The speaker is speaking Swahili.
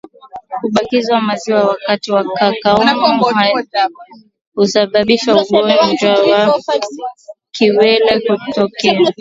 Kubakiza maziwa wakati wa kukamua husababisha ugonjwa wa kiwele kutokea